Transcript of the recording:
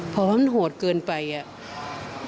เพราะว่ามันโหดเกินไปอ่ะ